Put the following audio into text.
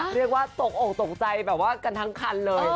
เรียกว่าตกออกตกใจแบบว่ากันทั้งคันเลย